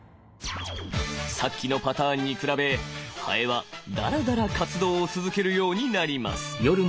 さっきのパターンに比べハエはダラダラ活動を続けるようになります。